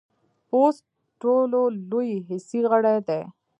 پوست ټولو لوی حسي غړی دی.